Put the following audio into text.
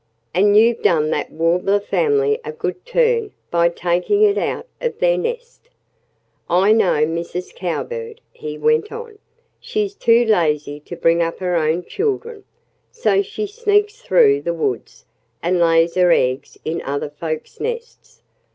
And you've done that Warbler family a good turn by taking it out of their nest. "I know Mrs. Cowbird," he went on. "She's too lazy to bring up her own children. So she sneaks through the woods and lays her eggs in other folk's nests....